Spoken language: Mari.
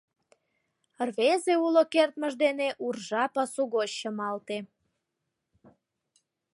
Рвезе уло кертмыж дене уржа пасу гоч чымалте...